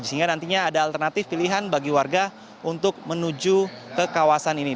sehingga nantinya ada alternatif pilihan bagi warga untuk menuju ke kawasan ini